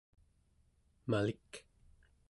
malik